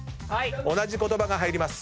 同じ言葉が入ります。